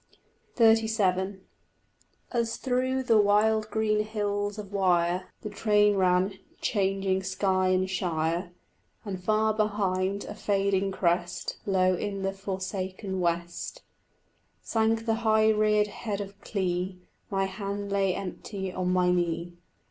XXXVII As through the wild green hills of Wyre The train ran, changing sky and shire, And far behind, a fading crest, Low in the forsaken west Sank the high reared head of Clee, My hand lay empty on my knee.